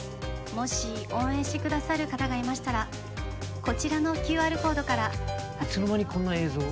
もし応援してくださる方がいましたらこちらのＱＲコードからいつの間にこんな映像を？